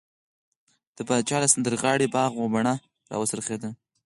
د پاچا له سمندرغاړې باغ و بڼه راوڅرخېدو.